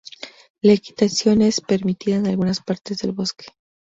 La equitación es permitida en algunas partes del bosque.